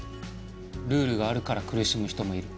ルールがあるから苦しむ人もいる。